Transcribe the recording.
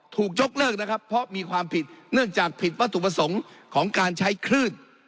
ถูกยกเลิกนะครับเพราะมีความผิดเนื่องจากผิดวัตถุประสงค์ของการใช้คลื่น